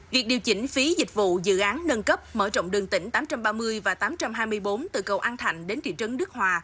việc điều chỉnh phí dịch vụ dự án nâng cấp mở rộng đường tỉnh tám trăm ba mươi và tám trăm hai mươi bốn từ cầu an thạnh đến thị trấn đức hòa